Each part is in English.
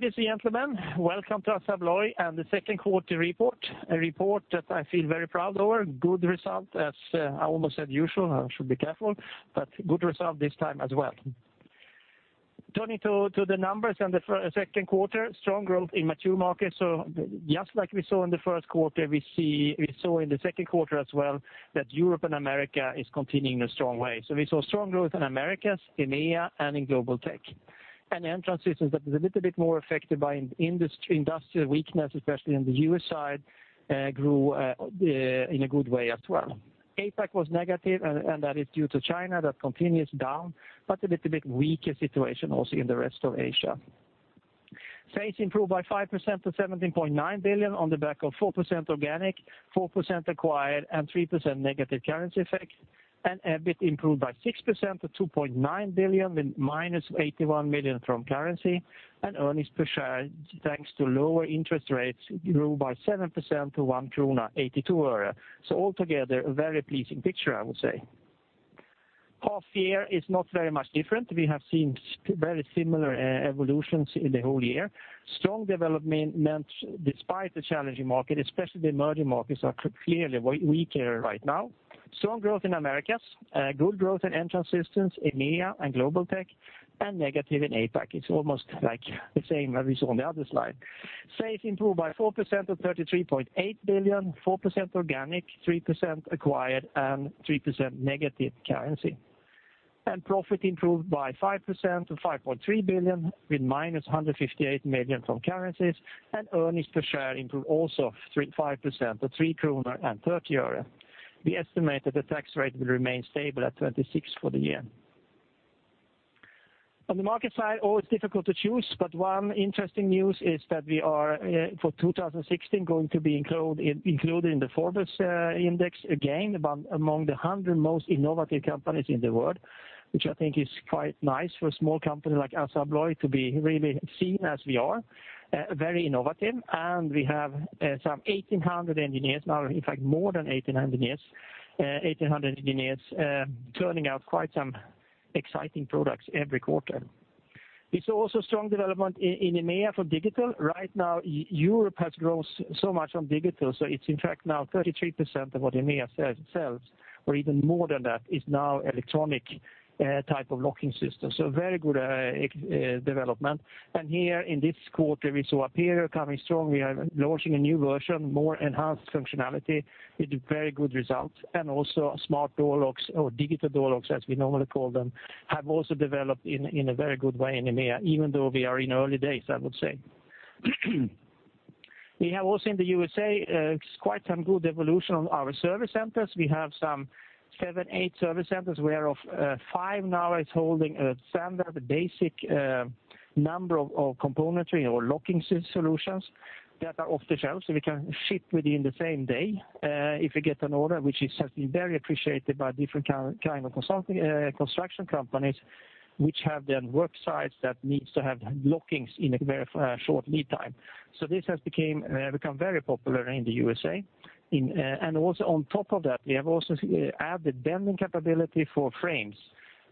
Ladies and gentlemen, welcome to Assa Abloy and the second quarter report, a report that I feel very proud of. A good result, as I almost said usual, I should be careful, but good result this time as well. Just like we saw in the first quarter, we saw in the second quarter as well that Europe and America are continuing a strong way. We saw strong growth in Americas, EMEA, and in Global Technologies. Entrance Systems that was a little bit more affected by industrial weakness, especially on the U.S. side, grew in a good way as well. APAC was negative, and that is due to China, that continues down, but a little bit weaker situation also in the rest of Asia. Sales improved by 5% to 17.9 billion on the back of 4% organic, 4% acquired, and 3% negative currency effect. EBIT improved by 6% to 2.9 billion, with minus 81 million from currency, and earnings per share, thanks to lower interest rates, grew by 7% to SEK 1.82. Altogether, a very pleasing picture, I would say. Half year is not very much different. We have seen very similar evolutions in the whole year. Strong development despite the challenging market, especially the emerging markets are clearly weaker right now. Strong growth in Americas, good growth in Entrance Systems, EMEA, and Global Technologies, and negative in APAC. It's almost the same as we saw on the other slide. Sales improved by 4% to 33.8 billion, 4% organic, 3% acquired, 3% negative currency. Profit improved by 5% to 5.3 billion with minus 158 million from currencies, and earnings per share improved also 5% to SEK 3.30. We estimate that the tax rate will remain stable at 26% for the year. On the market side, always difficult to choose, one interesting news is that we are, for 2016, going to be included in the Forbes index again, among the 100 most innovative companies in the world, which I think is quite nice for a small company like Assa Abloy to be really seen as we are, very innovative, we have some 1,800 engineers now, in fact, more than 1,800 engineers, turning out quite some exciting products every quarter. We saw also strong development in EMEA for digital. Right now, Europe has grown so much on digital, it's in fact now 33% of what EMEA sells, or even more than that, is now electronic type of locking systems. Very good development. Here in this quarter, we saw Aperio coming strong. We are launching a new version, more enhanced functionality with very good results, also smart door locks, or digital door locks, as we normally call them, have also developed in a very good way in EMEA, even though we are in early days, I would say. We have also in the U.S., quite some good evolution on our service centers. We have some seven, eight service centers where of five now is holding a standard, basic number of componentry or locking solutions that are off the shelves, so we can ship within the same day if we get an order, which is certainly very appreciated by different kinds of construction companies, which have their work sites that needs to have lockings in a very short lead time. This has become very popular in the USA. Also on top of that, we have also added bending capability for frames.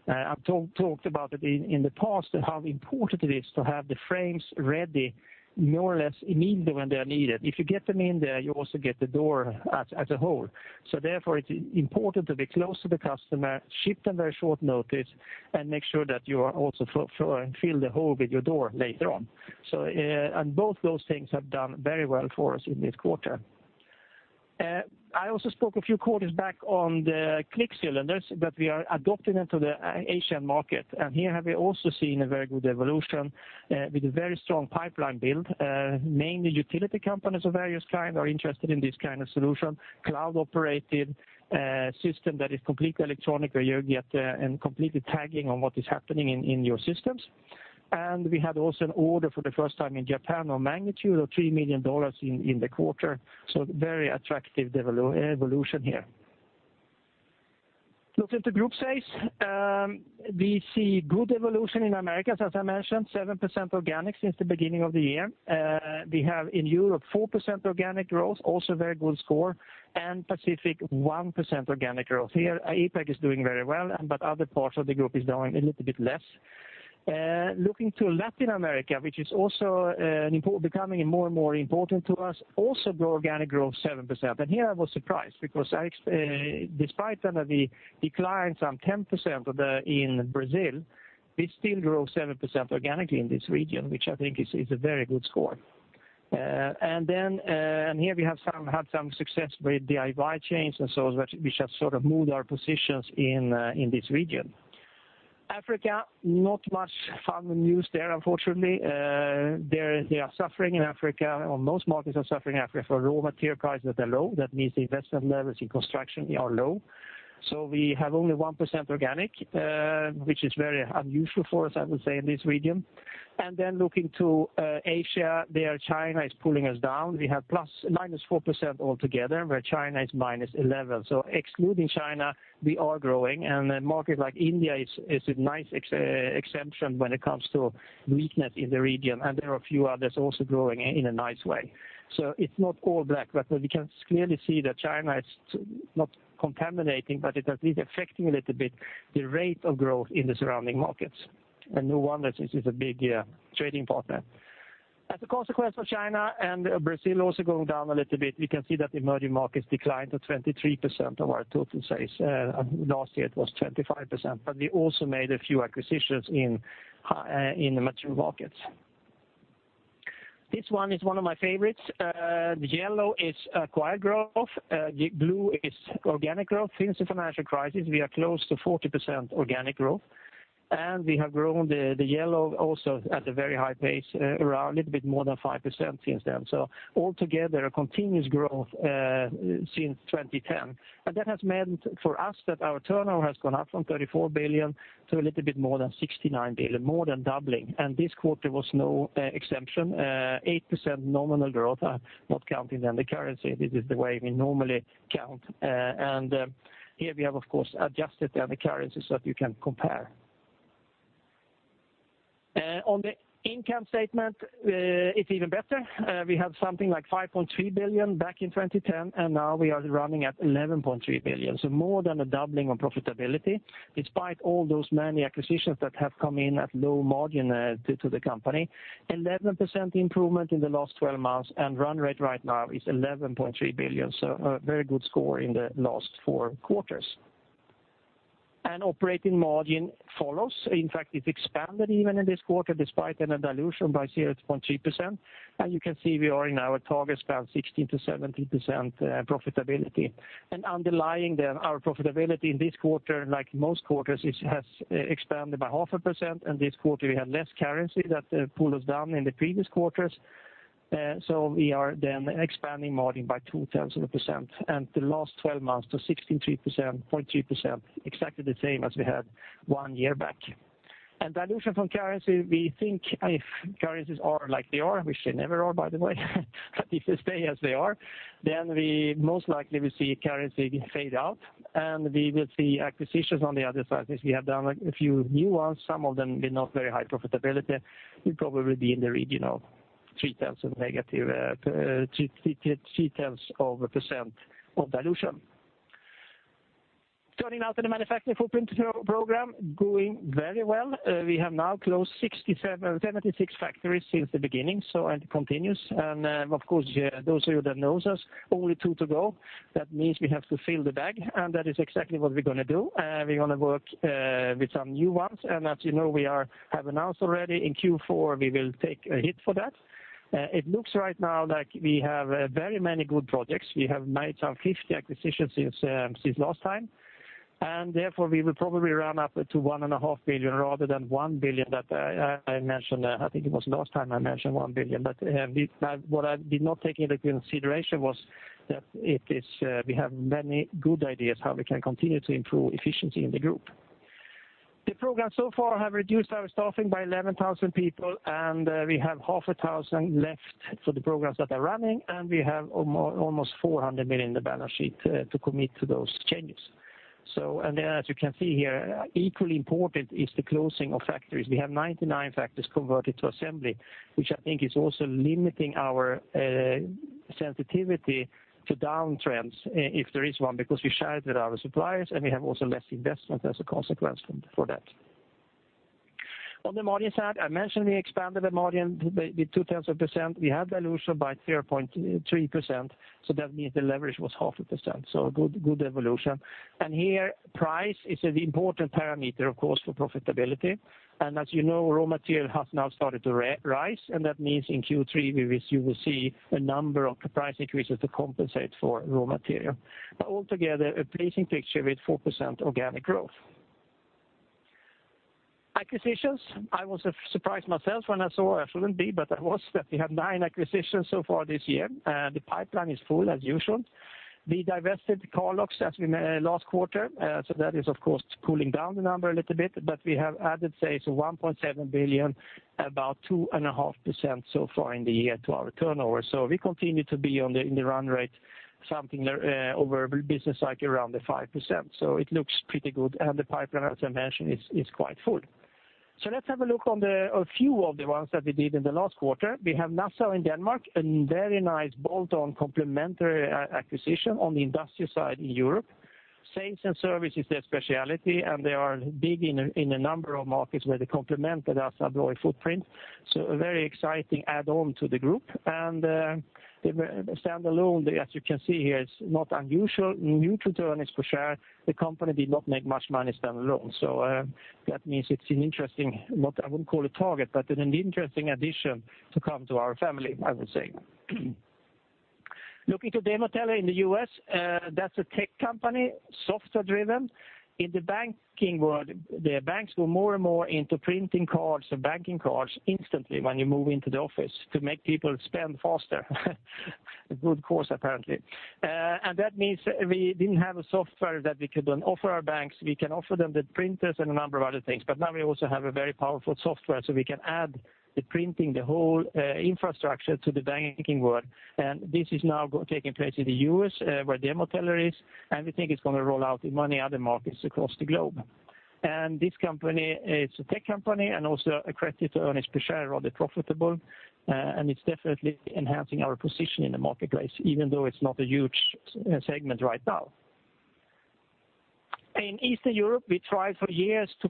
I've talked about it in the past, how important it is to have the frames ready more or less immediately when they are needed. If you get them in there, you also get the door as a whole. Therefore, it's important to be close to the customer, ship them very short notice, and make sure that you also fill the hole with your door later on. Both those things have done very well for us in this quarter. I also spoke a few quarters back on the CLIQ cylinders that we are adopting into the Asian market, and here we have also seen a very good evolution with a very strong pipeline build. Mainly utility companies of various kinds are interested in this kind of solution, cloud-operated system that is completely electronic, and completely tagging on what is happening in your systems. We had also an order for the first time in Japan on magnitude of SEK 3 million in the quarter, very attractive evolution here. Look at the group sales. We see good evolution in Americas. As I mentioned, 7% organic since the beginning of the year. We have in Europe 4% organic growth, also very good score, and Pacific, 1% organic growth here. APAC is doing very well, but other parts of the group is doing a little bit less. Looking to Latin America, which is also becoming more and more important to us, also organic growth 7%. Here I was surprised because despite some of the declines, some 10% in Brazil, we still grew 7% organically in this region, which I think is a very good score. Here we have had some success with DIY chains, we just sort of moved our positions in this region. Africa, not much fun news there, unfortunately. They are suffering in Africa, or most markets are suffering in Africa. Raw material prices are low. That means the investment levels in construction are low. We have only 1% organic, which is very unusual for us, I would say, in this region. Looking to Asia, there China is pulling us down. We have -4% altogether, where China is -11%. Excluding China, we are growing, a market like India is a nice exception when it comes to weakness in the region, there are a few others also growing in a nice way. It's not all black, but we can clearly see that China is not contaminating, but it is affecting a little bit the rate of growth in the surrounding markets. No wonder, since it's a big trading partner. As a consequence of China and Brazil also going down a little bit, we can see that emerging markets declined to 23% of our total sales. Last year it was 25%. We also made a few acquisitions in the mature markets. This one is one of my favorites. The yellow is acquired growth. The blue is organic growth. Since the financial crisis, we are close to 40% organic growth. We have grown the yellow also at a very high pace, around a little bit more than 5% since then. Altogether, a continuous growth since 2010. That has meant for us that our turnover has gone up from 34 billion to a little bit more than 69 billion, more than doubling. This quarter was no exception. 8% nominal growth, not counting under currency. This is the way we normally count. Here we have, of course, adjusted under currency so that you can compare. On the income statement, it's even better. We have something like 5.3 billion back in 2010. Now we are running at 11.3 billion. More than a doubling of profitability, despite all those many acquisitions that have come in at low margin to the company. 11% improvement in the last 12 months. Run rate right now is 11.3 billion. A very good score in the last four quarters. Operating margin follows. In fact, it expanded even in this quarter, despite a dilution by 0.3%. You can see we are in our target span 16%-17% profitability. Underlying our profitability in this quarter, like most quarters, it has expanded by half a percent. This quarter we had less currency that pulled us down in the previous quarters. We are then expanding margin by two-tenths of a percent. The last 12 months to 16.3%, exactly the same as we had one year back. Dilution from currency, we think if currencies are like they are, which they never are, by the way, if they stay as they are, we most likely will see currency fade out. We will see acquisitions on the other side. I think we have done a few new ones. Some of them with not very high profitability. We'll probably be in the region of three-tenths of a percent of dilution. Turning now to the Manufacturing Footprint Program, going very well. We have now closed 76 factories since the beginning. It continues. Of course, those of you that know us, only two to go. That means we have to fill the bag. That is exactly what we're going to do. We're going to work with some new ones. As you know, we have announced already in Q4 we will take a hit for that. It looks right now like we have very many good projects. We have made some 50 acquisitions since last time. We will probably run up to 1.5 billion rather than 1 billion that I mentioned. I think it was last time I mentioned 1 billion. What I did not take into consideration was that we have many good ideas how we can continue to improve efficiency in the group. The program so far have reduced our staffing by 11,000 people. We have half a thousand left for the programs that are running. We have almost 400 million in the balance sheet to commit to those changes. As you can see here, equally important is the closing of factories. We have 99 factories converted to assembly, which I think is also limiting our sensitivity to downtrends if there is one, because we share it with our suppliers, and we have also less investment as a consequence for that. On the margin side, I mentioned we expanded the margin with two-tenths of a %. We had dilution by -0.2%, that means the leverage was half a %. A good evolution. Here, price is an important parameter, of course, for profitability. As you know, raw material has now started to rise, and that means in Q3 you will see a number of price increases to compensate for raw material. Altogether, a pleasing picture with 4% organic growth. Acquisitions. I was surprised myself when I saw, I shouldn't be, but I was, that we have nine acquisitions so far this year. The pipeline is full as usual. We divested Car Locks last quarter. That is of course cooling down the number a little bit, but we have added, say, 1.7 billion, about 2.5% so far in the year to our turnover. We continue to be in the run rate something over business cycle around the 5%. It looks pretty good, and the pipeline, as I mentioned, is quite full. Let's have a look on a few of the ones that we did in the last quarter. We have Nassau in Denmark, a very nice bolt-on complementary acquisition on the industrial side in Europe. Sales and service is their specialty, and they are big in a number of markets where they complement Assa Abloy footprint. A very exciting add-on to the group. The standalone, as you can see here, is not unusual. New to earnings per share. The company did not make much money standalone. That means it's an interesting, I wouldn't call it target, but an interesting addition to come to our family, I would say. Looking to DemoTeller in the U.S., that's a tech company, software driven. In the banking world, the banks go more and more into printing cards and banking cards instantly when you move into the office to make people spend faster. A good cause apparently. That means we didn't have a software that we could then offer our banks. We can offer them the printers and a number of other things, but now we also have a very powerful software, so we can add the printing, the whole infrastructure to the banking world. This is now taking place in the U.S. where DemoTeller is, and we think it's going to roll out in many other markets across the globe. This company is a tech company and also accretive to earnings per share, rather profitable. It's definitely enhancing our position in the marketplace, even though it's not a huge segment right now. In Eastern Europe, we tried for years to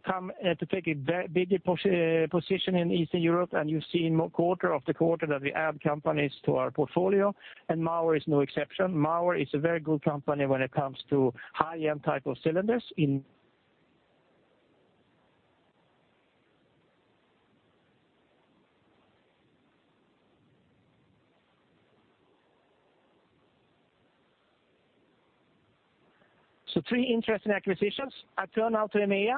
take a bigger position in Eastern Europe, and you've seen quarter after quarter that we add companies to our portfolio, and Mauer is no exception. Mauer is a very good company when it comes to high-end type of cylinders. Three interesting acquisitions. I turn now to EMEA.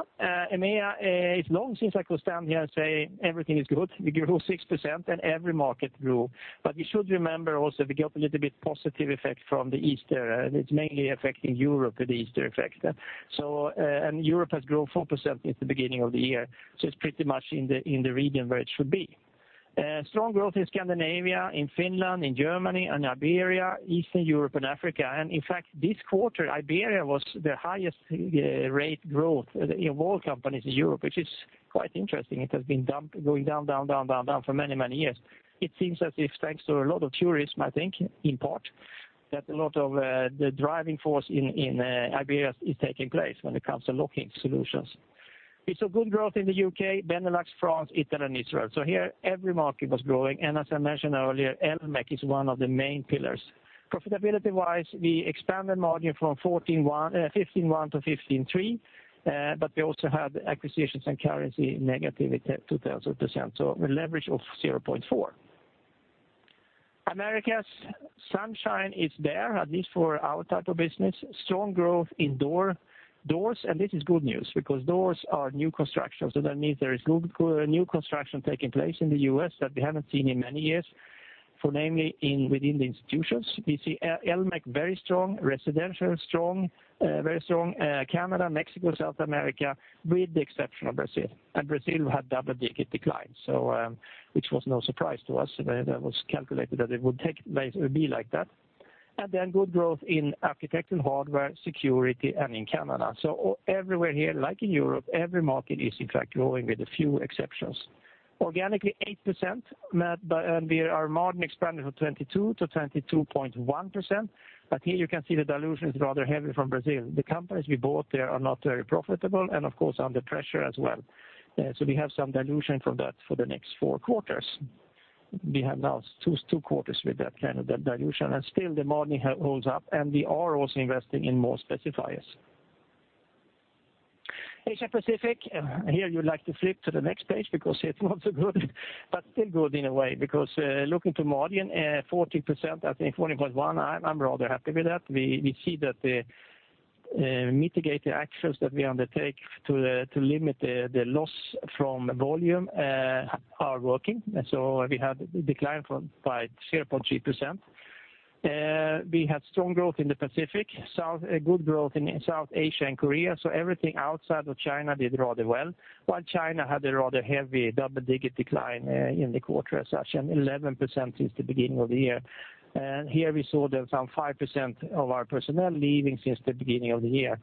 EMEA, it's long since I could stand here and say everything is good. We grew 6% and every market grew. You should remember also we got a little bit positive effect from the Easter, and it's mainly affecting Europe with the Easter effect. Europe has grown 4% since the beginning of the year, so it's pretty much in the region where it should be. Strong growth in Scandinavia, in Finland, in Germany and Iberia, Eastern Europe, and Africa. In fact, this quarter, Iberia was the highest rate growth in all companies in Europe, which is quite interesting. It has been going down, down for many, many years. It seems as if, thanks to a lot of tourism, I think, in part, that a lot of the driving force in Iberia is taking place when it comes to locking solutions. We saw good growth in the U.K., Benelux, France, Italy, and Israel. Here every market was growing. As I mentioned earlier, Electromechanical is one of the main pillars. Profitability-wise, we expanded margin from 15.1% to 15.3%, but we also had acquisitions and currency -0.2%, so a leverage of 0.4. Americas, sunshine is there, at least for our type of business. Strong growth in doors, and this is good news because doors are new construction, so that means there is new construction taking place in the U.S. that we haven't seen in many years, namely within the institutions. We see Electromechanical very strong, residential very strong, Canada, Mexico, South America, with the exception of Brazil. Brazil had double-digit declines, which was no surprise to us. That was calculated that it would be like that. Good growth in architectural hardware, security, and in Canada. Everywhere here, like in Europe, every market is in fact growing with a few exceptions. Organically 8%, our margin expanded from 22% to 22.1%, but here you can see the dilution is rather heavy from Brazil. The companies we bought there are not very profitable and of course, under pressure as well. We have some dilution from that for the next four quarters. We have now two quarters with that kind of dilution, and still the margin holds up, and we are also investing in more specifiers. Asia Pacific. You'd like to flip to the next page because it's not so good. Still good in a way, because looking to margin, 14%, I think 14.1%, I'm rather happy with that. We see that the mitigating actions that we undertake to limit the loss from volume are working. We had declined by 0.3%. We had strong growth in the Pacific, good growth in South Asia and Korea. Everything outside of China did rather well, while China had a rather heavy double-digit decline in the quarter as such, and 11% since the beginning of the year. Here we saw that some 5% of our personnel leaving since the beginning of the year.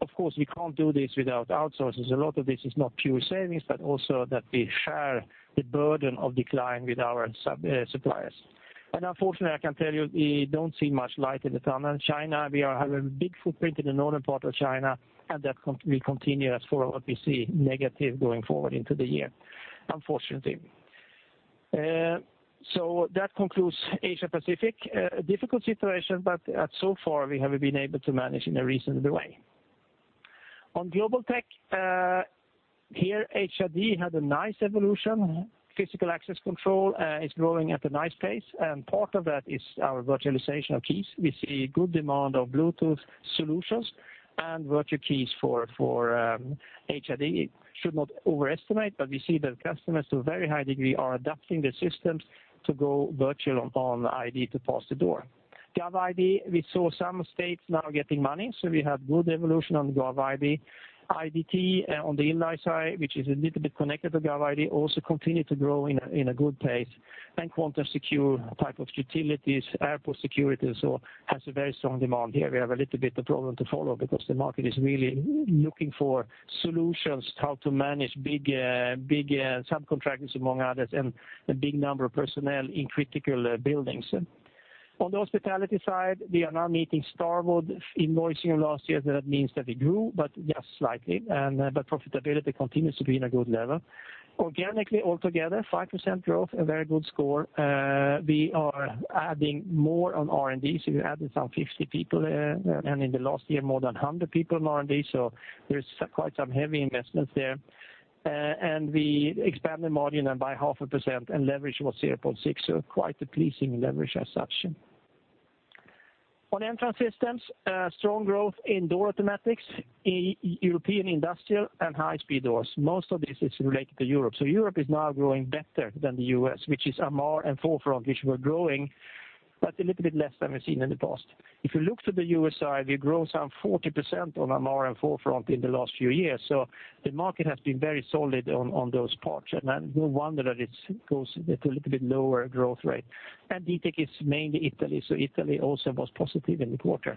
Of course, we can't do this without outsourcing. A lot of this is not pure savings, but also that we share the burden of decline with our suppliers. Unfortunately, I can tell you, we don't see much light at the tunnel in China. We have a big footprint in the northern part of China, and that will continue as for what we see negative going forward into the year, unfortunately. That concludes Asia Pacific. A difficult situation, but so far we have been able to manage in a reasonable way. On Global Technologies, here HID had a nice evolution. Physical access control is growing at a nice pace, and part of that is our virtualization of keys. We see good demand of Bluetooth solutions and virtual keys for HID. Should not overestimate, but we see that customers to a very high degree are adapting their systems to go virtual on ID to pass the door. GovID, we saw some states now getting money, so we have good evolution on GovID. IDT on the inline side, which is a little bit connected to GovID, also continue to grow in a good pace, and Quantum Secure type of utilities, airport security, has a very strong demand here. We have a little bit of problem to follow because the market is really looking for solutions, how to manage big subcontractors, among others, and a big number of personnel in critical buildings. On the hospitality side, we are now meeting Starwood invoicing of last year. That means that we grew, but just slightly. But profitability continues to be in a good level. Organically, altogether, 5% growth, a very good score. We are adding more on R&D, so we added some 50 people, and in the last year, more than 100 people in R&D, so there is quite some heavy investments there. And we expanded margin by half a percent, and leverage was 0.6, so quite a pleasing leverage as such. On Entrance Systems, strong growth in door automatics, European industrial, and high-speed doors. Most of this is related to Europe. Europe is now growing better than the U.S., which is Amarr and 4Front, which were growing but a little bit less than we have seen in the past. If you look to the U.S. side, we grew some 40% on Amarr and 4Front in the last few years. So the market has been very solid on those parts. No wonder that it goes at a little bit lower growth rate. And Ditec is mainly Italy, so Italy also was positive in the quarter,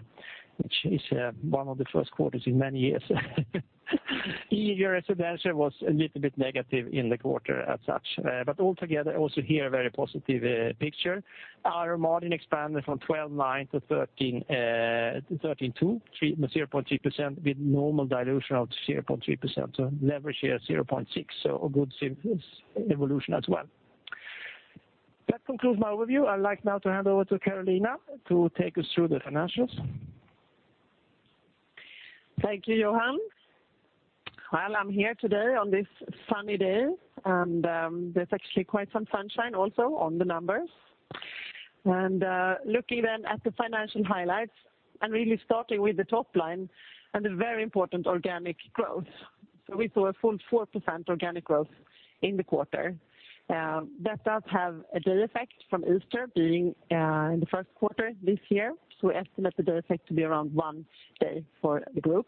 which is one of the first quarters in many years. The year residential was a little bit negative in the quarter as such. But altogether also here, a very positive picture. Our margin expanded from 12.9% to 13.2%, 0.3% with normal dilution of 0.3%. So leverage here 0.6, so a good evolution as well. That concludes my overview. I would like now to hand over to Carolina to take us through the financials. Thank you, Johan. Well, I am here today on this sunny day and there is actually quite some sunshine also on the numbers. Looking then at the financial highlights and really starting with the top line and the very important organic growth. We saw a full 4% organic growth in the quarter. That does have a day effect from Easter being in the first quarter this year. So we estimate the day effect to be around one day for the group,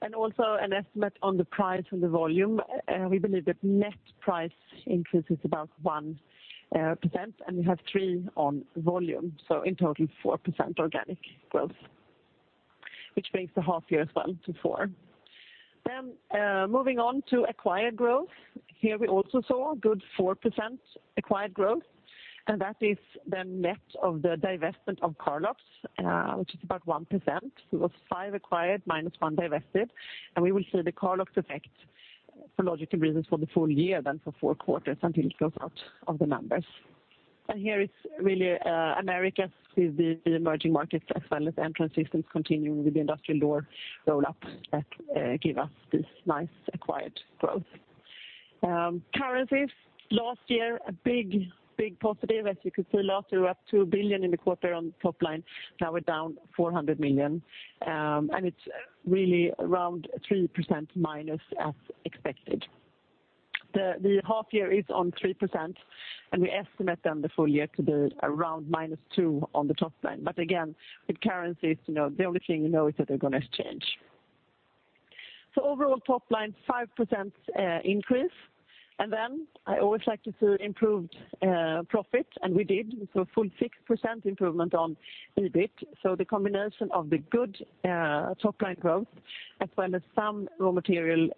and also an estimate on the price and the volume. We believe that net price increase is about 1% and we have three on volume. So in total, 4% organic growth, which makes the half year as well to 4%. Then, moving on to acquired growth. Here we also saw a good 4% acquired growth, and that is the net of the divestment of Car Lock, which is about 1%. It was five acquired minus one divested. We will see the Car Lock business effect for logical reasons for the full year than for four quarters until it drops out of the numbers. Here it is really Americas with the emerging markets as well as Entrance Systems continuing with the industrial door roll-ups that give us this nice acquired growth. Currencies. Last year, a big positive, as you could see last year, up 2 billion in the quarter on top line. Now we are down 400 million, and it is really around -3% as expected. The half year is on 3%, and we estimate the full year to be around -2% on the top line. Again, with currencies, the only thing you know is that they are going to change. Overall top line, 5% increase. I always like to see improved profit. We did, we saw a full 6% improvement on EBIT. The combination of the good top-line growth as well as some raw material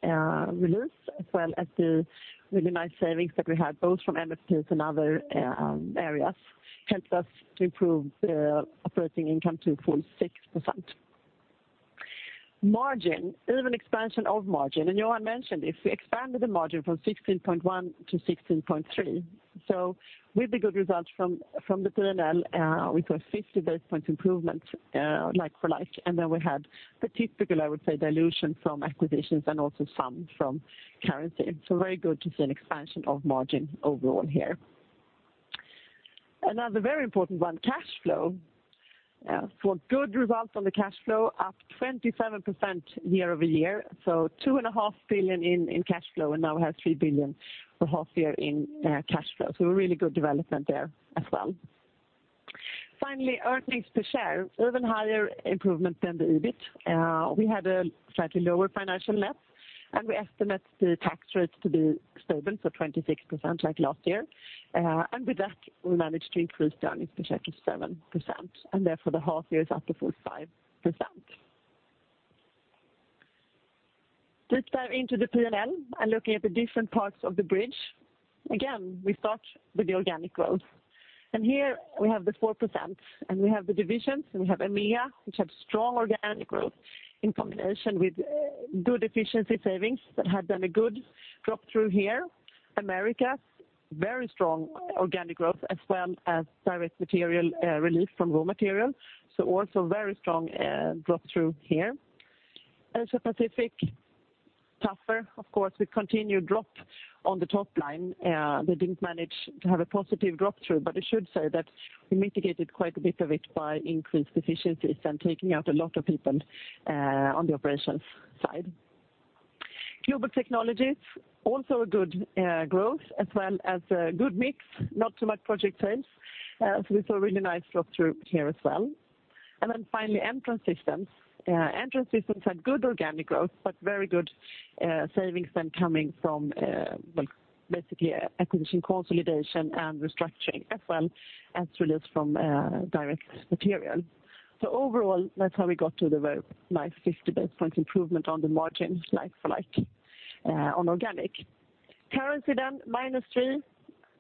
relief, as well as the really nice savings that we had, both from MFPs and other areas, helped us to improve the operating income to a full 6%. Margin, even expansion of margin. Johan mentioned if we expanded the margin from 16.1% to 16.3%. With the good results from the P&L, we saw a 50 basis point improvement like for like, and we had particular, I would say, dilution from acquisitions and also some from currency. Very good to see an expansion of margin overall here. Another very important one, cash flow. We saw good results on the cash flow up 27% year-over-year. 2.5 billion in cash flow, and now we have 3 billion for half year in cash flow. A really good development there as well. Finally, earnings per share, even higher improvement than the EBIT. We had a slightly lower financial net, and we estimate the tax rates to be stable, 26% like last year. With that we managed to increase the earnings per share to 7%, and therefore the half year is up a full 5%. Let us dive into the P&L and looking at the different parts of the bridge. Again, we start with the organic growth, and here we have the 4%, and we have the divisions. We have EMEA, which had strong organic growth in combination with good efficiency savings that had done a good drop-through here. Americas, very strong organic growth as well as direct material relief from raw material. Also very strong drop-through here. Asia Pacific, tougher, of course, with continued drop on the top line. They did not manage to have a positive drop-through, but I should say that we mitigated quite a bit of it by increased efficiencies and taking out a lot of people on the operations side. Global Technologies, also a good growth as well as a good mix, not too much project sales. We saw a really nice drop-through here as well. Finally, Entrance Systems.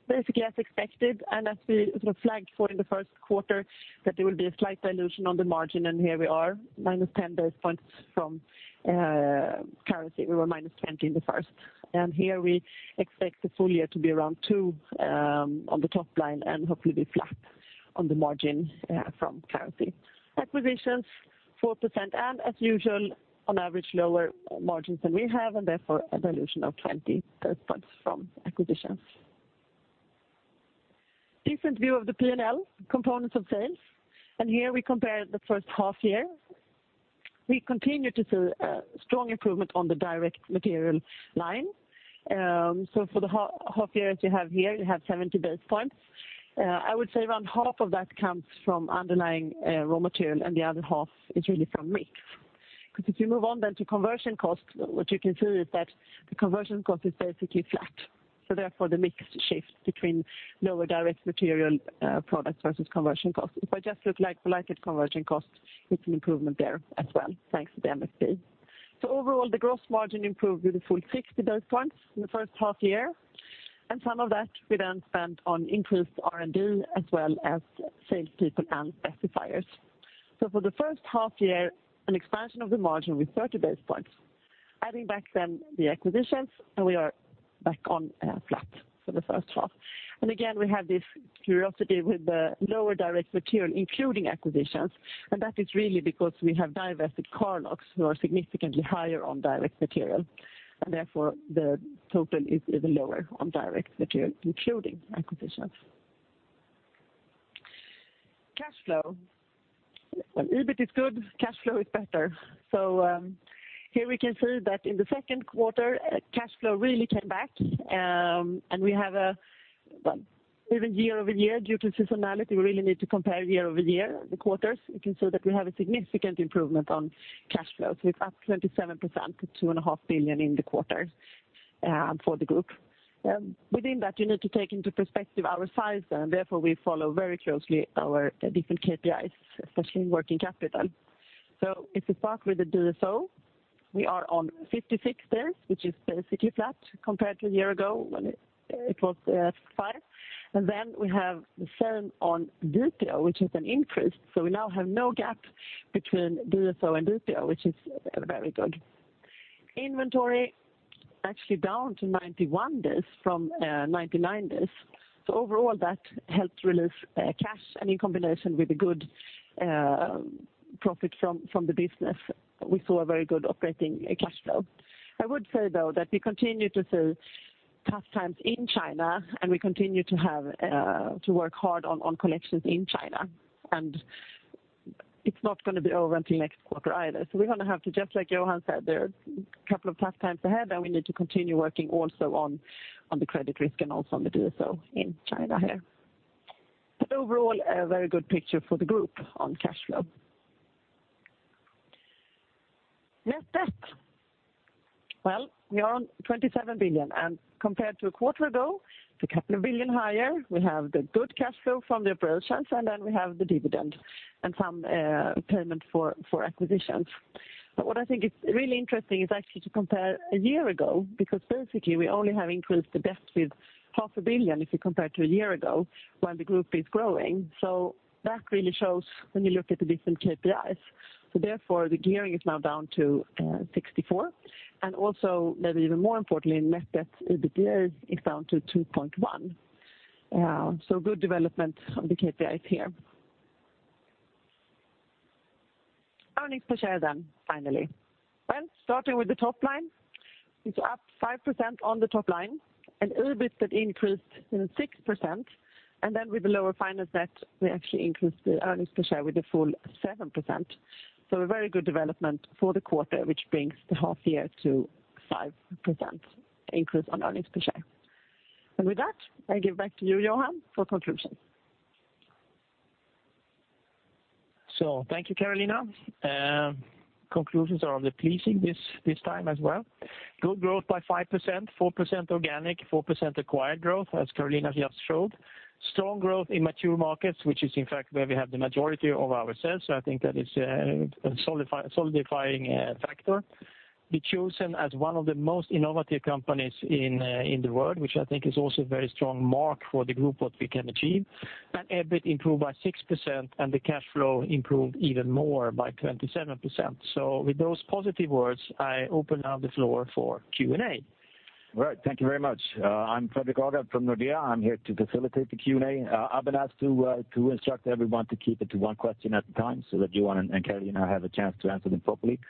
basically as expected and as we sort of flagged for in the first quarter that there will be a slight dilution on the margin and here we are, -10 basis points from currency. We were -20 basis points in the first, we expect the full year to be around 2% on the top line and hopefully be flat on the margin from currency. Acquisitions 4% and as usual on average lower margins than we have and therefore a dilution of 20 basis points from acquisitions. Different view of the P&L components of sales. Here we compare the first half year. We continue to see a strong improvement on the direct material line. For the half year, as you have here, you have 70 basis points. I would say around half of that comes from underlying raw material, and the other half is really from mix. If you move on then to conversion cost, what you can see is that the conversion cost is basically flat. Therefore, the mix shift between lower direct material products versus conversion costs. If I just look at like-for-like conversion costs, it's an improvement there as well, thanks to the MFP. Overall, the gross margin improved with a full 60 basis points in the first half year, and some of that we then spent on increased R&D as well as salespeople and specifiers. For the first half year, an expansion of the margin with 30 basis points. Adding back then the acquisitions, we are back on flat for the first half. Again, we have this curiosity with the lower direct material, including acquisitions. That is really because we have divested Car Lock business, who are significantly higher on direct material, and therefore the total is even lower on direct material, including acquisitions. Cash flow. When EBIT is good, cash flow is better. Here we can see that in the second quarter, cash flow really came back. Even year-over-year, due to seasonality, we really need to compare year-over-year the quarters. We can see that we have a significant improvement on cash flow. It's up 27% to 2.5 billion in the quarter for the group. Within that, you need to take into perspective our size, and therefore we follow very closely our different KPIs, especially working capital. If we start with the DSO, we are on 56 days, which is basically flat compared to a year ago when it was 56 days. We have the same on DPO, which is an increase. We now have no gap between DSO and DPO, which is very good. Inventory actually down to 91 days from 99 days. Overall, that helped release cash, and in combination with a good profit from the business, we saw a very good operating cash flow. I would say, though, that we continue to see tough times in China, and we continue to work hard on collections in China, and it's not going to be over until next quarter either. We're going to have to, just like Johan said there, a couple of tough times ahead, and we need to continue working also on the credit risk and also on the DSO in China here. Overall, a very good picture for the group on cash flow. Net debt. We are on 27 billion, compared to a quarter ago, it's a couple of billion higher. We have the good cash flow from the operations, we have the dividend and some payment for acquisitions. What I think is really interesting is actually to compare a year ago, because basically we only have increased the debt with half a billion if you compare to a year ago, while the group is growing. That really shows when you look at the different KPIs. The gearing is now down to 64%, and also maybe even more importantly, net debt EBIT is down to 2.1. Good development of the KPIs here. Earnings per share, finally. Starting with the top line, it's up 5% on the top line, EBIT that increased 6%. With the lower finance net, we actually increased the earnings per share with a full 7%. A very good development for the quarter, which brings the half year to 5% increase on earnings per share. With that, I give back to you, Johan, for conclusion. Thank you, Carolina. Conclusions are pleasing this time as well. Good growth by 5%, 4% organic, 4% acquired growth, as Carolina just showed. Strong growth in mature markets, which is in fact where we have the majority of our sales. I think that is a solidifying factor. We're chosen as one of the most innovative companies in the world, which I think is also a very strong mark for the group, what we can achieve. EBIT improved by 6%, the cash flow improved even more by 27%. With those positive words, I open now the floor for Q&A. All right. Thank you very much. I'm Fredrik Agardh from Nordea. I'm here to facilitate the Q&A. I've been asked to instruct everyone to keep it to one question at a time so that Johan and Carolina have a chance to answer them properly.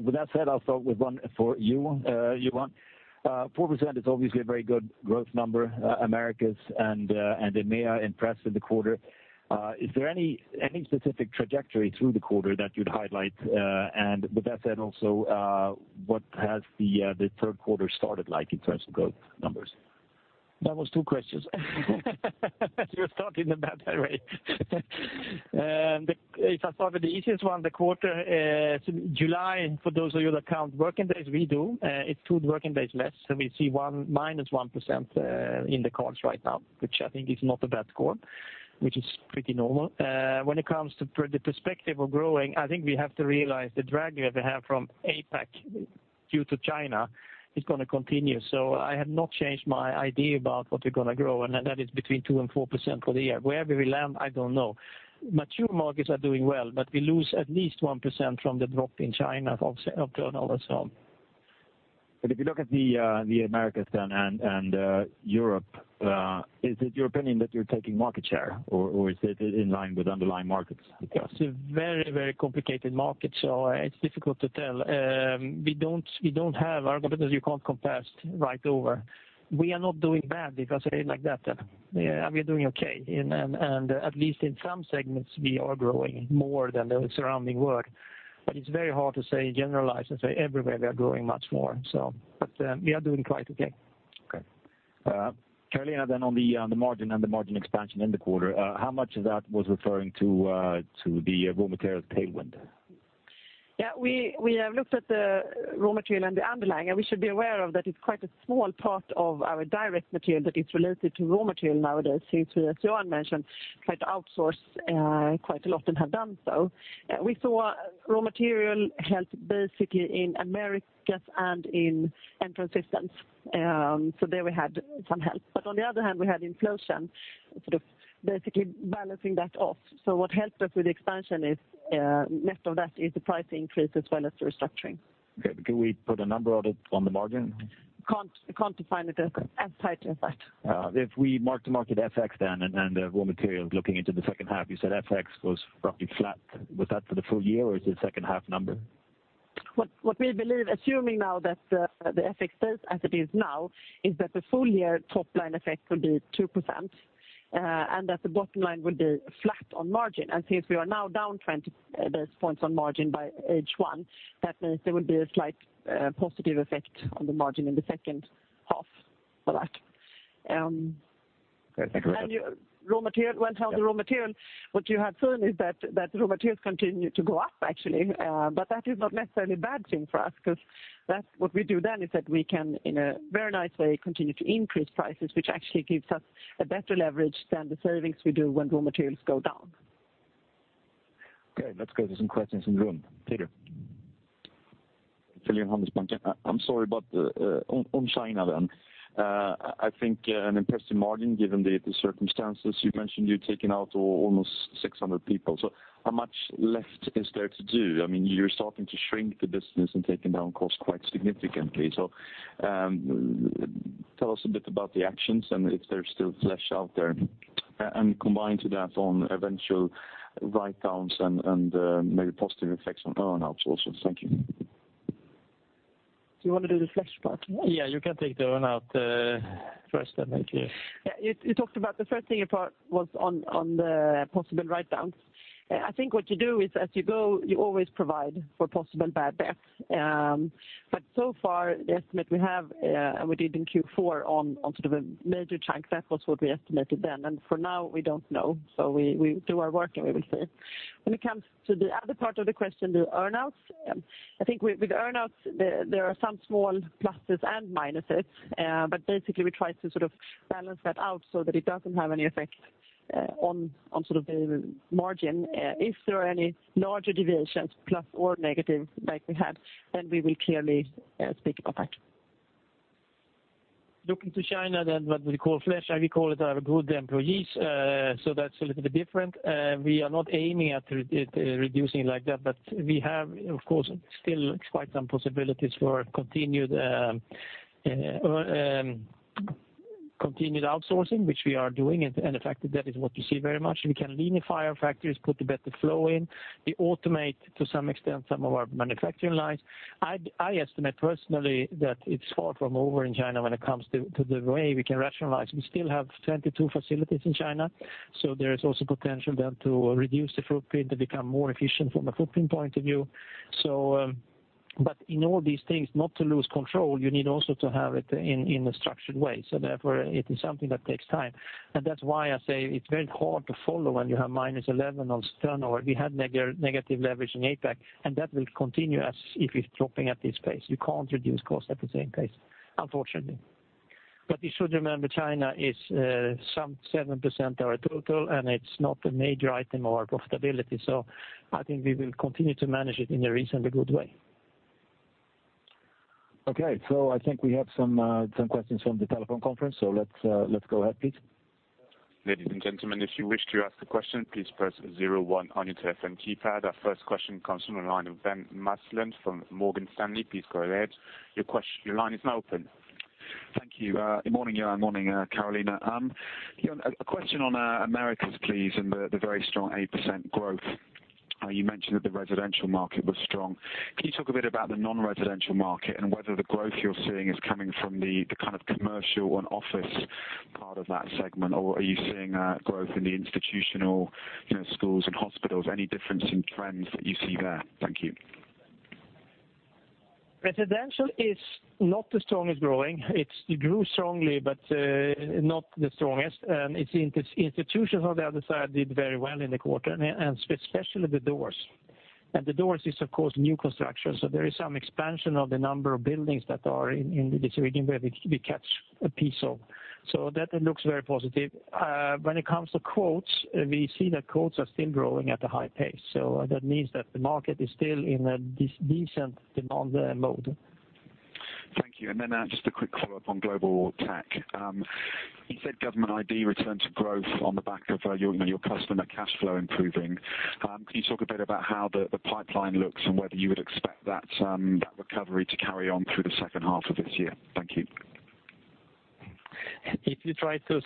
With that said, I'll start with one for you, Johan. 4% is obviously a very good growth number. Americas and EMEA impressed with the quarter. Is there any specific trajectory through the quarter that you'd highlight? With that said, also, what has the third quarter started like in terms of growth numbers? That was two questions. You're starting in a bad way. If I start with the easiest one, the quarter July, for those of you that count working days, we do. It's two working days less, we see minus 1% in the cards right now, which I think is not a bad score, which is pretty normal. When it comes to the perspective of growing, I think we have to realize the drag we have from APAC due to China is going to continue. I have not changed my idea about what we're going to grow, and that is between 2% and 4% for the year. Where we will land, I don't know. We lose at least 1% from the drop in China of turnover. If you look at the Americas then and Europe, is it your opinion that you're taking market share, or is it in line with underlying markets? It's a very complicated market, so it's difficult to tell. Our competitors, you can't compare right over. We are not doing bad because it is like that. We are doing okay, and at least in some segments, we are growing more than the surrounding work. It's very hard to generalize and say everywhere we are growing much more. We are doing quite okay. Okay. Carolina, on the margin and the margin expansion in the quarter, how much of that was referring to the raw materials tailwind? Yeah. We have looked at the raw material and the underlying. We should be aware of that it's quite a small part of our direct material that is related to raw material nowadays, since we, as Johan mentioned, tried to outsource quite a lot and have done so. We saw raw material help basically in Americas and in Entrance Systems. There we had some help. On the other hand, we had inflation basically balancing that off. What helped us with the expansion is, next to that, is the price increase as well as the restructuring. Okay. Can we put a number on it on the margin? Can't define it as tight as that. If we mark to market FX then and the raw materials looking into the second half, you said FX was roughly flat. Was that for the full year or is it a second half number? What we believe, assuming now that the FX stays as it is now, is that the full year top line effect will be 2%, that the bottom line will be flat on margin. Since we are now down 20 basis points on margin by H1, that means there will be a slight positive effect on the margin in the second half for that. Okay. Thank you very much. Raw material, what you have seen is that raw materials continue to go up actually. That is not necessarily a bad thing for us because what we do then is that we can, in a very nice way, continue to increase prices, which actually gives us a better leverage than the savings we do when raw materials go down. Okay, let's go to some questions in the room. Peter? Peter from Handelsbanken. I'm sorry, on China, I think an impressive margin given the circumstances. You mentioned you've taken out almost 600 people. How much left is there to do? You're starting to shrink the business and taking down costs quite significantly. Tell us a bit about the actions and if there's still flesh out there, and combined to that on eventual write-downs and maybe positive effects on earn-outs also. Thank you. Do you want to do the flesh part? Yeah, you can take the earn-out first, then. Thank you. Yeah. You talked about the first thing you brought was on the possible write-downs. I think what you do is as you go, you always provide for possible bad bets. So far the estimate we have, and we did in Q4 on a major chunk, that was what we estimated then, and for now we don't know. We do our work and we will see. When it comes to the other part of the question, the earn-outs, I think with earn-outs there are some small pluses and minuses, basically we try to balance that out so that it doesn't have any effect on the margin. If there are any larger deviations, plus or negative like we had, we will clearly speak about that. Looking to China, what we call flesh, I recall it are good employees, that's a little bit different. We are not aiming at reducing like that. We have, of course, still quite some possibilities for continued outsourcing, which we are doing, the fact that that is what you see very much. We can leanify our factories, put a better flow in, we automate to some extent some of our manufacturing lines. I estimate personally that it's far from over in China when it comes to the way we can rationalize. We still have 22 facilities in China, there is also potential then to reduce the footprint, to become more efficient from a footprint point of view. In all these things, not to lose control, you need also to have it in a structured way. Therefore it is something that takes time. That's why I say it's very hard to follow when you have -11% on turnover. We had negative leverage in APAC, that will continue as if it's dropping at this pace. You can't reduce costs at the same pace, unfortunately. You should remember China is some 7% of our total, it's not a major item of our profitability, I think we will continue to manage it in a reasonably good way. Okay, I think we have some questions from the telephone conference, let's go ahead, please. Ladies and gentlemen, if you wish to ask a question, please press 01 on your DTMF keypad. Our first question comes from the line of Ben Maslen from Morgan Stanley. Please go ahead. Your line is now open. Thank you. Good morning, Johan. Morning, Carolina. Johan, a question on Americas, please, and the very strong 8% growth. You mentioned that the residential market was strong. Can you talk a bit about the non-residential market and whether the growth you're seeing is coming from the commercial and office part of that segment, or are you seeing growth in the institutional schools and hospitals? Any difference in trends that you see there? Thank you. Residential is not the strongest growing. It grew strongly, but not the strongest. It's institutions, on the other side, did very well in the quarter, and especially the doors. The doors is, of course, new construction, there is some expansion of the number of buildings that are in this region where we catch a piece of, that looks very positive. When it comes to quotes, we see that quotes are still growing at a high pace, that means that the market is still in a decent demand mode. Thank you. Just a quick follow-up on Global Tech. You said GovID returned to growth on the back of your customer cash flow improving. Can you talk a bit about how the pipeline looks and whether you would expect that recovery to carry on through the second half of this year? Thank you. If you try to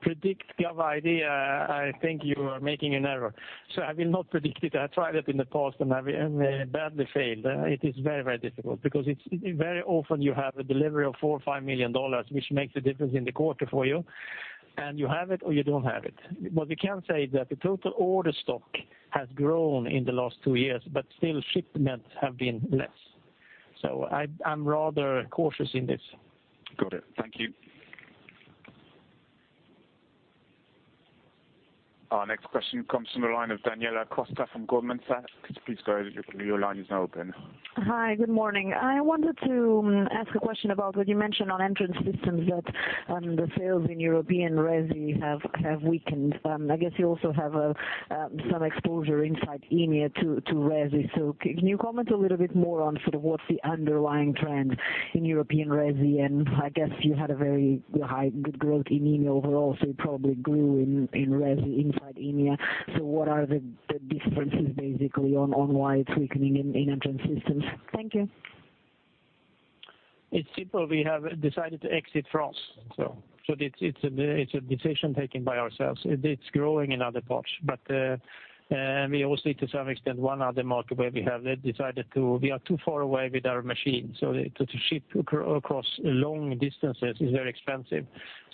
predict GovID, I think you are making an error. I will not predict it. I tried it in the past, I badly failed. It is very difficult because very often you have a delivery of 4 million or SEK 5 million, which makes a difference in the quarter for you, and you have it or you don't have it. What we can say is that the total order stock has grown in the last two years, shipments have been less. I'm rather cautious in this. Got it. Thank you. Our next question comes from the line of Daniela Costa from Goldman Sachs. Please go ahead. Your line is now open. Hi, good morning. I wanted to ask a question about what you mentioned on Entrance Systems that on the sales in European resi have weakened. I guess you also have some exposure inside EMEA to resi. Can you comment a little bit more on sort of what's the underlying trend in European resi? I guess you had a very high, good growth in EMEA overall, so you probably grew in resi inside EMEA. What are the differences basically on why it's weakening in Entrance Systems? Thank you. It's simple. We have decided to exit France. It's a decision taken by ourselves. It's growing in other parts, but we also, to some extent, one other market where we have decided we are too far away with our machines, so to ship across long distances is very expensive.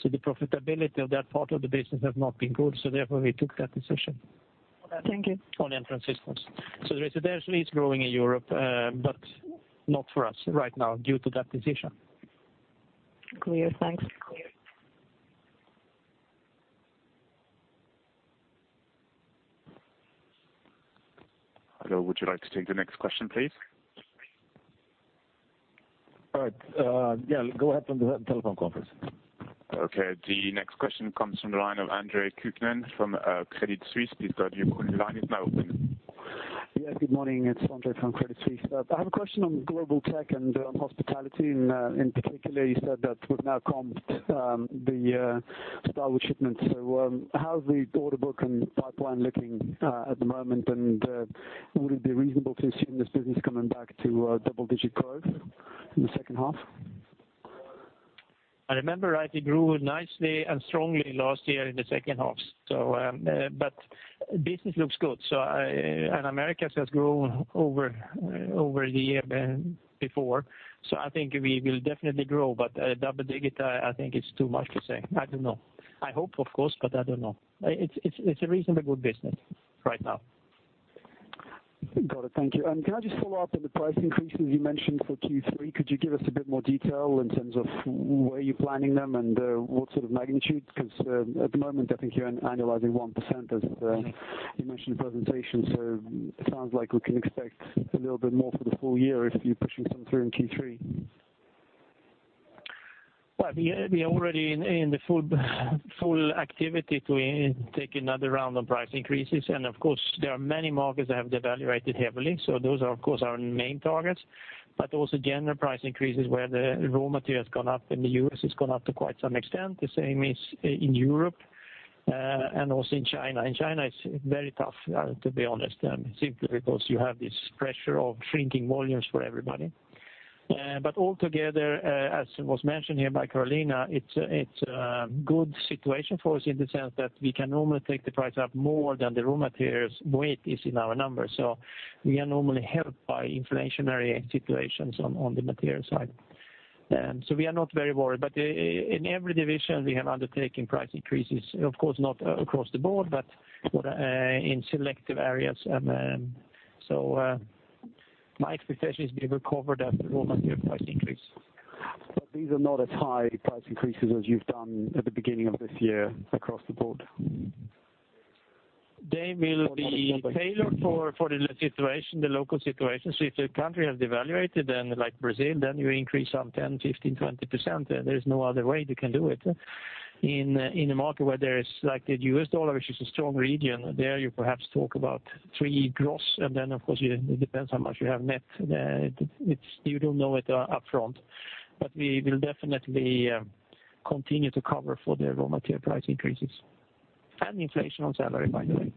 The profitability of that part of the business has not been good, so therefore we took that decision. Okay, thank you. On Entrance Systems. Residential is growing in Europe, but not for us right now due to that decision. Clear. Thanks. Hello, would you like to take the next question, please? All right. Yeah, go ahead from the telephone conference. Okay, the next question comes from the line of Andre Kukhnin from Credit Suisse. Please go ahead. Your line is now open. Yes, good morning. It's Andre from Credit Suisse. I have a question on Global Tech and on hospitality. In particular, you said that we've now comped the Starwood shipment, how's the order book and pipeline looking at the moment? Would it be reasonable to assume this business coming back to double-digit growth in the second half? I remember it grew nicely and strongly last year in the second half. Business looks good. The Americas has grown over the year before, I think we will definitely grow, but double digit, I think it's too much to say. I don't know. I hope of course, but I don't know. It's a reasonably good business right now. Got it. Thank you. Can I just follow up on the price increases you mentioned for Q3? Could you give us a bit more detail in terms of where you're planning them and what sort of magnitudes? Because at the moment, I think you're annualizing 1% as you mentioned in the presentation. It sounds like we can expect a little bit more for the full year if you're pushing some through in Q3. We are already in the full activity to take another round of price increases. Of course, there are many markets that have devaluated heavily, so those are, of course, our main targets, but also general price increases where the raw material has gone up in the U.S., it's gone up to quite some extent. The same is in Europe, and also in China. In China, it's very tough to be honest, simply because you have this pressure of shrinking volumes for everybody. Altogether, as was mentioned here by Carolina, it's a good situation for us in the sense that we can normally take the price up more than the raw materials' weight is in our numbers. We are normally helped by inflationary situations on the material side. We are not very worried, but in every division we have undertaken price increases, of course, not across the board, but in selective areas. My expectation is we will cover that raw material price increase. These are not as high price increases as you've done at the beginning of this year across the board? They will be tailored for the local situation. If the country has devaluated then, like Brazil, then you increase some 10%, 15%, 20%. There is no other way you can do it. In a market where there is like the US dollar, which is a strong region, there you perhaps talk about three gross, and then of course it depends how much you have net. You don't know it upfront, but we will definitely continue to cover for the raw material price increases and inflation on salary, by the way.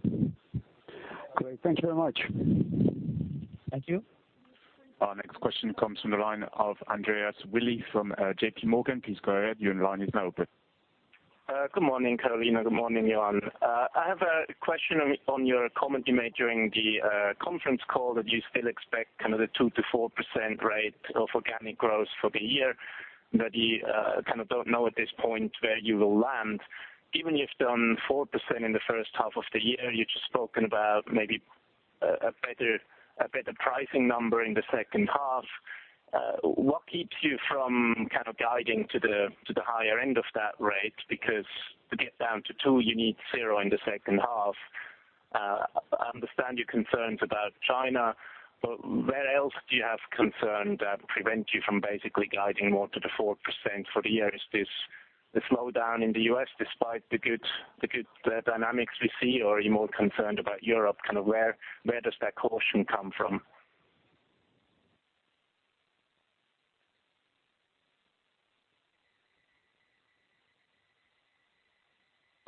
Great. Thank you very much. Thank you. Our next question comes from the line of Andreas Willi from JPMorgan. Please go ahead. Your line is now open. Good morning, Carolina. Good morning, Johan. I have a question on your comment you made during the conference call that you still expect the 2%-4% rate of organic growth for the year, that you kind of don't know at this point where you will land. Even you've done 4% in the first half of the year, you've just spoken about maybe a better pricing number in the second half. What keeps you from guiding to the higher end of that rate? Because to get down to two, you need zero in the second half. I understand your concerns about China, but where else do you have concerns that prevent you from basically guiding more to the 4% for the year? Is this the slowdown in the U.S. despite the good dynamics we see, or are you more concerned about Europe? Where does that caution come from?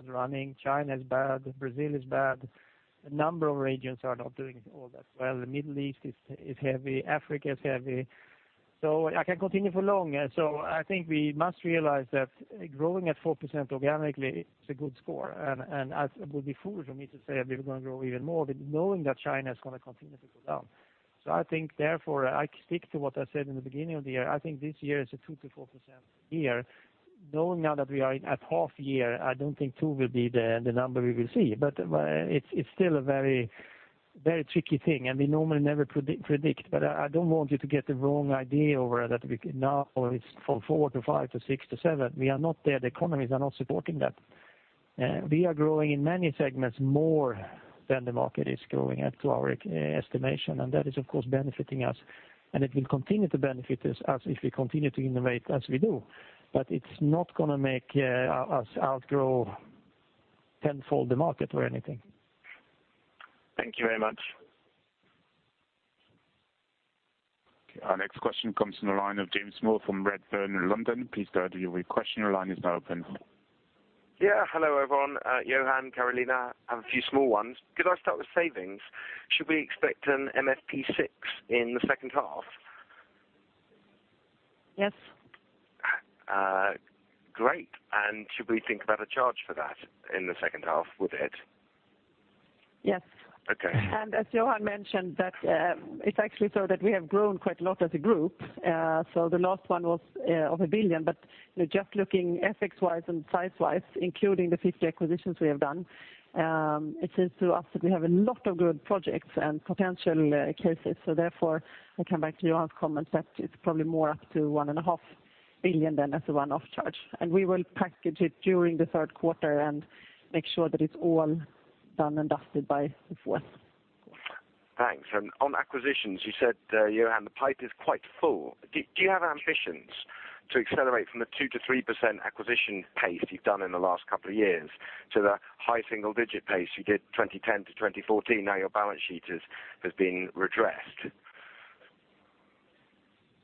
Running China is bad. Brazil is bad. A number of regions are not doing all that well. The Middle East is heavy. Africa is heavy. I can continue for long. I think I must realize that growing at 4% organically is a good score and it would be foolish for me to say that we were going to grow even more, knowing that China is going to continue to go down. I think therefore I stick to what I said in the beginning of the year. I think this year is a 2%-4% year. Knowing now that we are at half year, I don't think two will be the number we will see. It's still a very tricky thing, and we normally never predict. I don't want you to get the wrong idea over that we could now or it's from four to five to six to seven. We are not there. The economies are not supporting that. We are growing in many segments more than the market is growing up to our estimation, and that is, of course, benefiting us, and it will continue to benefit us as if we continue to innovate as we do. It's not going to make us outgrow tenfold the market or anything. Thank you very much. Okay, our next question comes from the line of James Moore from Redburn in London. Please go ahead with your question. Your line is now open. Yeah. Hello, everyone. Johan, Carolina, I have a few small ones. Could I start with savings? Should we expect an MFP 6 in the second half? Yes. Great. Should we think about a charge for that in the second half with it? Yes. Okay. As Johan mentioned, it's actually so that we have grown quite a lot as a group. The last one was of 1 billion, but just looking FX-wise and size-wise, including the 50 acquisitions we have done, it seems to us that we have a lot of good projects and potential cases. I come back to Johan's comments that it's probably more up to 1.5 billion than as a one-off charge. We will package it during the third quarter and make sure that it's all done and dusted by Q4. Thanks. On acquisitions, you said, Johan, the pipe is quite full. Do you have ambitions to accelerate from the 2%-3% acquisition pace you've done in the last couple of years to the high single-digit pace you did 2010-2014, now your balance sheet has been redressed?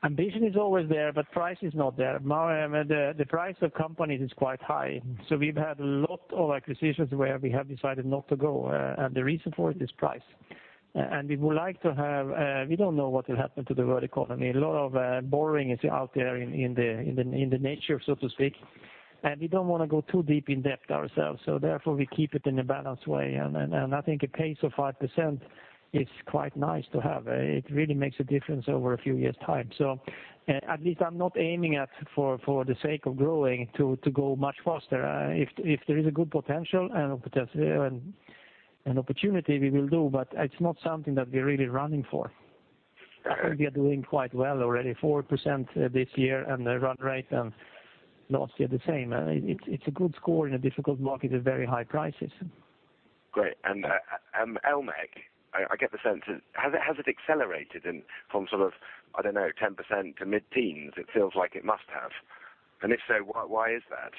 Ambition is always there, price is not there. The price of companies is quite high, we've had a lot of acquisitions where we have decided not to go. The reason for it is price. We don't know what will happen to the world economy. A lot of borrowing is out there in the nature, so to speak, we don't want to go too deep in debt ourselves, we keep it in a balanced way. I think a pace of 5% is quite nice to have. It really makes a difference over a few years time. At least I'm not aiming at, for the sake of growing, to go much faster. If there is a good potential and opportunity, we will do, it's not something that we're really running for. We are doing quite well already, 4% this year and the run rate, last year the same. It's a good score in a difficult market with very high prices. Great. Electromechanical, I get the sense that has it accelerated from sort of, I don't know, 10% to mid-teens? It feels like it must have. If so, why is that?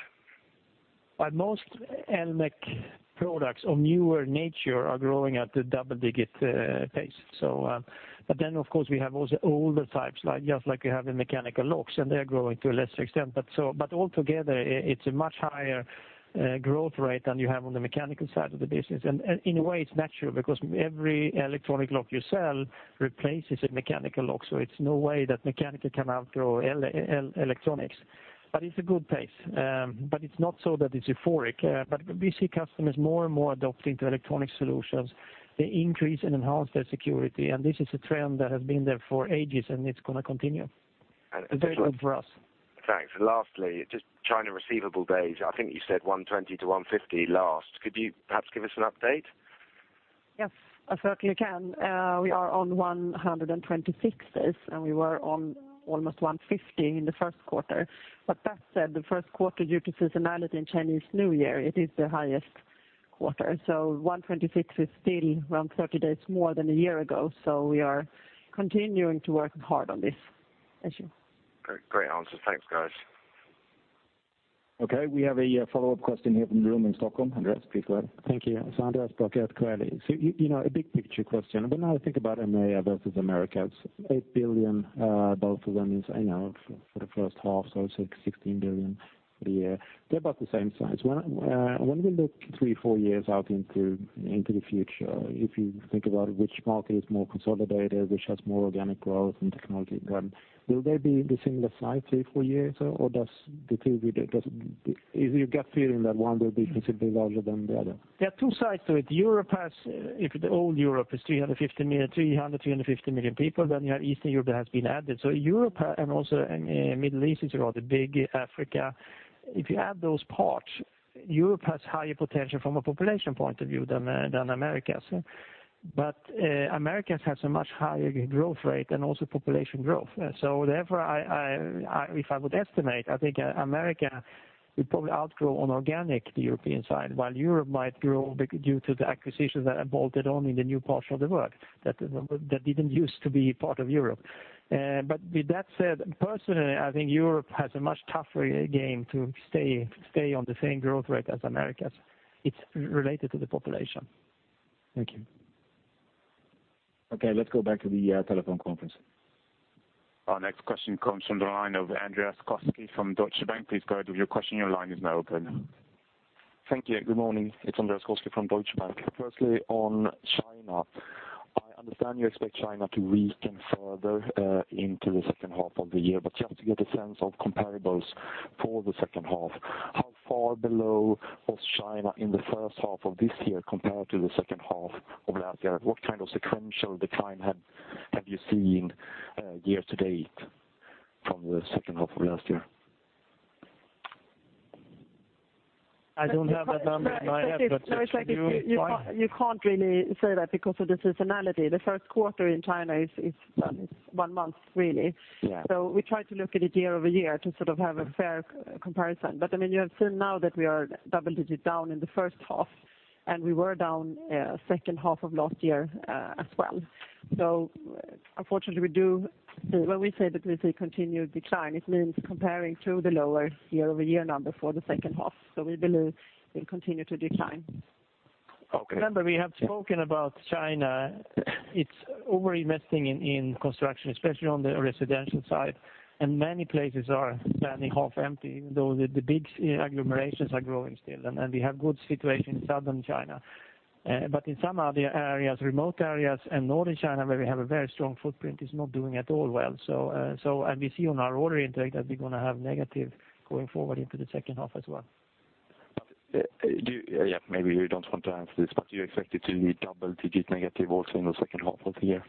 Most Electromechanical products of newer nature are growing at a double-digit pace. Of course, we have also older types, just like we have in mechanical locks, and they're growing to a lesser extent. Altogether, it's a much higher growth rate than you have on the mechanical side of the business. In a way, it's natural because every electronic lock you sell replaces a mechanical lock. It's no way that mechanical can outgrow electronics. It's a good pace. It's not so that it's euphoric. We see customers more and more adopting to electronic solutions. They increase and enhance their security, and this is a trend that has been there for ages, and it's going to continue. It's very good for us. Thanks. Lastly, just China receivable days, I think you said 120 to 150 last. Could you perhaps give us an update? Yes. I think we can. We are on 126 days, we were on almost 150 in the first quarter. That said, the first quarter, due to seasonality in Chinese New Year, it is the highest quarter. 126 is still around 30 days more than a year ago, we are continuing to work hard on this issue. Great answers. Thanks, guys. We have a follow-up question here from the room in Stockholm. Andreas, please go ahead. Thank you. Andreas Brocker at Corem. A big picture question. When I think about EMEA versus Americas, 8 billion both of them is I know for the first half, it's like 16 billion for the year. They're about the same size. When we look three, four years out into the future, if you think about which market is more consolidated, which has more organic growth and technology, will they be the similar size three, four years? Do you get a feeling that one will be considerably larger than the other? There are two sides to it. Europe has, if the old Europe is 300 million, 350 million people, you have Eastern Europe that has been added. Europe and also Middle East, it's rather big, Africa. If you add those parts, Europe has higher potential from a population point of view than Americas. Americas has a much higher growth rate and also population growth. Therefore, if I would estimate, I think Americas would probably outgrow on organic the European side, while Europe might grow due to the acquisitions that are bolted only the new portion of the work that didn't used to be part of Europe. With that said, personally, I think Europe has a much tougher game to stay on the same growth rate as Americas. It's related to the population. Thank you. Okay, let's go back to the telephone conference. Our next question comes from the line of Andreas Koski from Deutsche Bank. Please go ahead with your question. Your line is now open. Thank you. Good morning. It's Andreas Koski from Deutsche Bank. Firstly, on China, I understand you expect China to weaken further into the second half of the year. Just to get a sense of comparables for the second half, how far below was China in the first half of this year compared to the second half of last year? What kind of sequential decline have you seen year-to-date from the second half of last year? I don't have that number in my head. You can't really say that because of the seasonality. The first quarter in China is one month, really. Yeah. We try to look at it year-over-year to have a fair comparison. You have seen now that we are double-digit down in the first half, and we were down second half of last year, as well. Unfortunately, when we say that we see continued decline, it means comparing to the lower year-over-year number for the second half. We believe we'll continue to decline. Okay. We have spoken about China, it's over-investing in construction, especially on the residential side, and many places are standing half empty, even though the big agglomerations are growing still. We have good situation in southern China. In some other areas, remote areas and northern China, where we have a very strong footprint, is not doing at all well. We see on our order intake that we're going to have negative going forward into the second half as well. Maybe you don't want to answer this, do you expect it to be double-digit negative also in the second half of the year?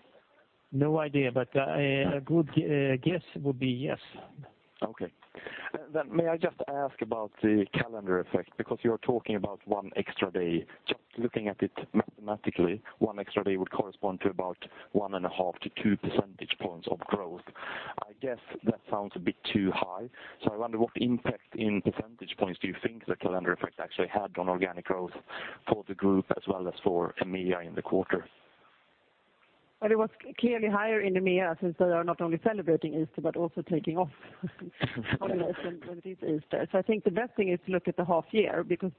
No idea, a good guess would be yes. Okay. May I just ask about the calendar effect, because you're talking about one extra day. Just looking at it mathematically, one extra day would correspond to about one and a half to two percentage points of growth. I guess that sounds a bit too high, so I wonder what impact in percentage points do you think the calendar effect actually had on organic growth for the group as well as for EMEA in the quarter? Well, it was clearly higher in EMEA since they are not only celebrating Easter but also taking off on this Easter. I think the best thing is to look at the half year, because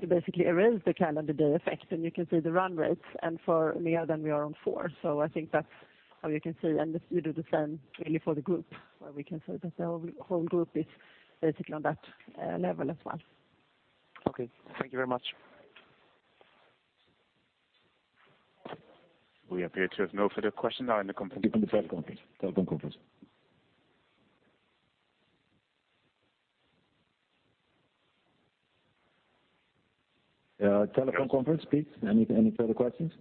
you basically erase the calendar day effect, and you can see the run rates and for EMEA then we are on four. I think that's how you can see, and you do the same really for the group, where we can say that the whole group is basically on that level as well. Okay. Thank you very much. We appear to have no further questions now in the conference. Telephone conference. Telephone conference, please, any further questions?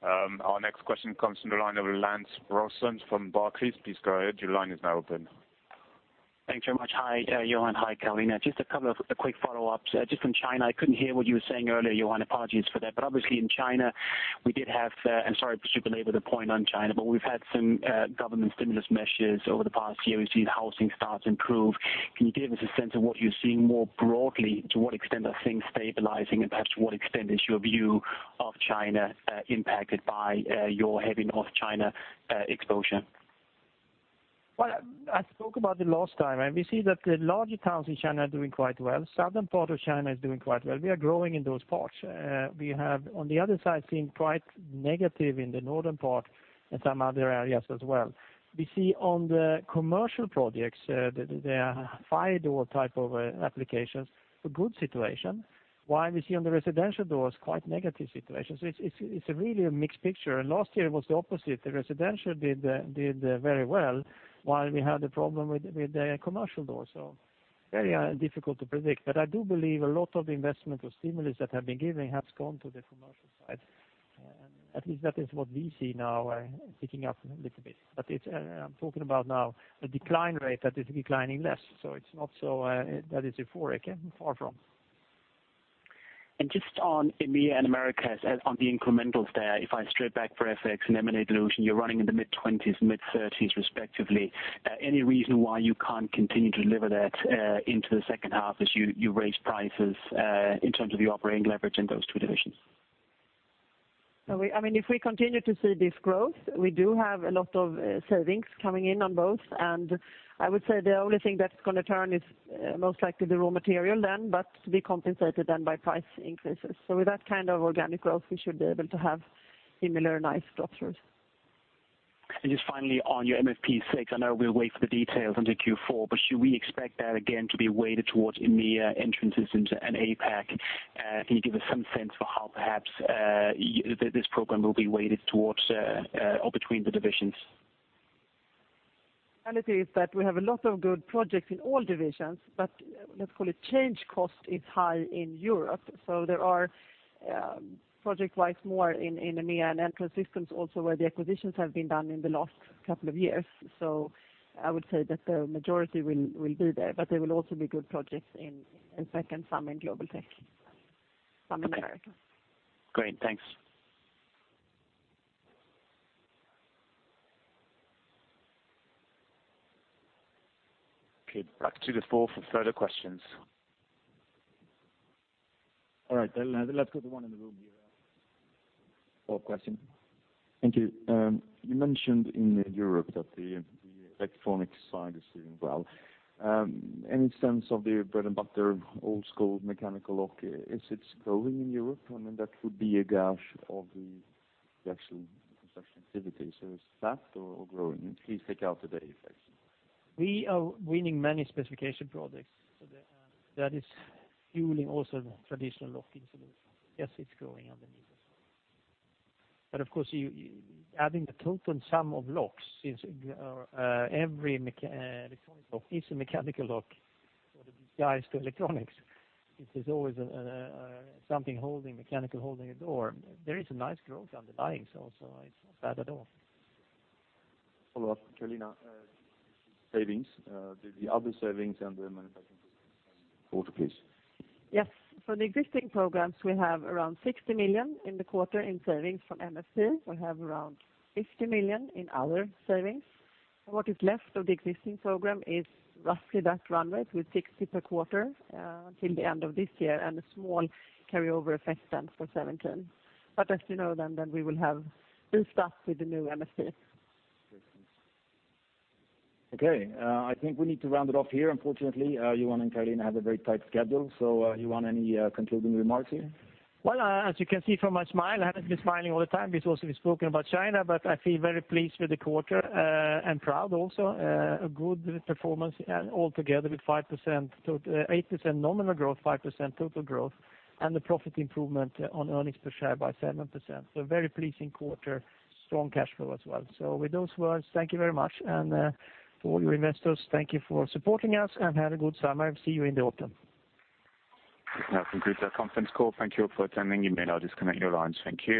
Our next question comes from the line of Lars Brorson from Barclays. Please go ahead. Your line is now open. Thank you very much. Hi, Johan. Hi, Carolina. Just a couple of quick follow-ups. Just on China, I couldn't hear what you were saying earlier, Johan, apologies for that. Obviously in China we did have, and sorry to [belabor] the point on China, but we've had some government stimulus measures over the past year. We've seen housing starts improve. Can you give us a sense of what you're seeing more broadly, to what extent are things stabilizing and perhaps to what extent is your view of China impacted by your heavy North China exposure? I spoke about it last time, we see that the larger towns in China are doing quite well. Southern part of China is doing quite well. We are growing in those parts. We have, on the other side, seen quite negative in the northern part and some other areas as well. We see on the commercial projects, the fire door type of applications, a good situation, while we see on the residential doors quite negative situations. It's really a mixed picture. Last year it was the opposite. The residential did very well while we had the problem with the commercial doors. Very difficult to predict, but I do believe a lot of investment or stimulus that have been given has gone to the commercial side. At least that is what we see now, picking up a little bit. I'm talking about now the decline rate that is declining less, that is euphoric and far from. Just on EMEA and Americas, on the incrementals there, if I strip back for FX and M&A dilution, you're running in the mid-20s and mid-30s respectively. Any reason why you can't continue to deliver that into the second half as you raise prices in terms of the operating leverage in those two divisions? If we continue to see this growth, we do have a lot of savings coming in on both, I would say the only thing that's going to turn is most likely the raw material then, to be compensated then by price increases. With that kind of organic growth, we should be able to have similar nice drop-throughs. Just finally on your MFP 6, I know we'll wait for the details until Q4, should we expect that again to be weighted towards EMEA Entrance Systems and APAC? Can you give us some sense for how perhaps this program will be weighted towards or between the divisions? Reality is that we have a lot of good projects in all divisions, let's call it change cost is high in Europe, there are project-wise more in EMEA and Entrance Systems also where the acquisitions have been done in the last couple of years. I would say that the majority will be there, but there will also be good projects in some in Global Technologies, some in America. Okay. Great. Thanks. Back to the floor for further questions. All right. Let's go to one in the room here. Floor question. Thank you. You mentioned in Europe that the electronic side is doing well. Any sense of the bread and butter old school mechanical lock, is it growing in Europe? That would be a gauge of the actual construction activity. Is it flat or growing? Please take out the day effects. We are winning many specification projects. That is fueling also the traditional locking solution. Yes, it's growing underneath as well. Of course, adding the total sum of locks is every electronic lock is a mechanical lock sort of disguised electronics. It is always something mechanical holding a door. There is a nice growth underlying, it's not bad at all. Follow-up, Carolina, savings, the other savings and the manufacturing savings. Go on, please. Yes. For the existing programs, we have around 60 million in the quarter in savings from MFP. We have around 50 million in other savings. What is left of the existing program is roughly that runway with 60 per quarter, till the end of this year and a small carryover effect for 2017. As you know, we will have new stuff with the new MFP. Great. Thanks. Okay. I think we need to round it off here, unfortunately. Johan and Carolina have a very tight schedule. Johan, any concluding remarks here? Well, as you can see from my smile, I haven't been smiling all the time because we've spoken about China. I feel very pleased with the quarter, and proud also. A good performance altogether with 8% nominal growth, 5% total growth, the profit improvement on earnings per share by 7%. Very pleasing quarter, strong cash flow as well. With those words, thank you very much. To all you investors, thank you for supporting us and have a good summer. See you in the autumn. We now conclude the conference call. Thank you for attending. You may now disconnect your lines. Thank you.